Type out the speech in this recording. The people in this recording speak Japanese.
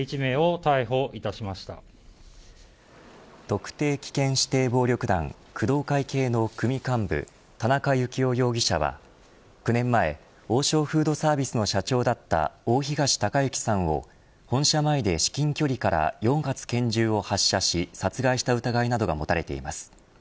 特定危険指定暴力団工藤会系の組幹部田中幸雄容疑者は９年前王将フードサービスの社長だった大東隆行さんを本社前で至近距離から４発拳銃を発射し殺害した疑いなどが持たれています。